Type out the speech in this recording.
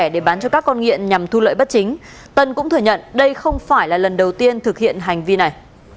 để bán cho các con nghiện nhằm thu lợi bất chính tân cũng thừa nhận đây không phải là lần đầu tiên thực hiện hành vi này